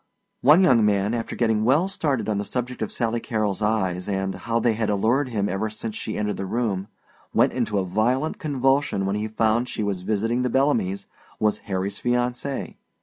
One young man after getting well started on the subject of Sally Carrol's eyes and, how they had allured him ever since she entered the room, went into a violent convulsion when he found she was visiting the Bellamys was Harry's fiancée.